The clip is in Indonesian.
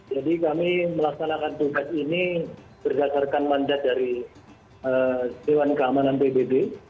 jadi kami melaksanakan tugas ini berdasarkan mandat dari dewan keamanan pbb